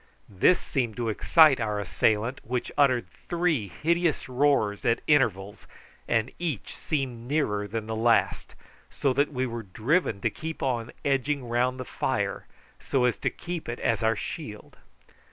This seemed to excite our assailant, which uttered three hideous roars at intervals, and each seemed nearer than the last, so that we were driven to keep on edging round the fire so as to keep it as our shield.